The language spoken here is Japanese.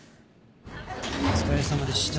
お疲れさまでした。